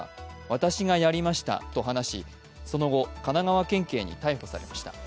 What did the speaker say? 私がやりましたと話しその後、神奈川県警に逮捕されました。